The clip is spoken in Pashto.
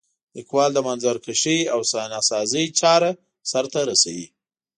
لیکوال د منظرکشۍ او صحنه سازۍ چاره سرته رسوي.